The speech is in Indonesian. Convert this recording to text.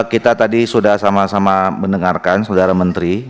kita tadi sudah sama sama mendengarkan saudara menteri